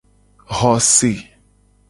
Xo se.